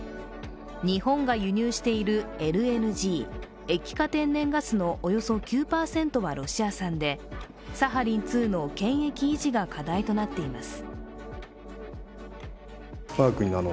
日本が輸入しているＬＮＧ＝液化天然ガスのおよそ９％はロシア産で、サハリン２の権益維持が課題となっています。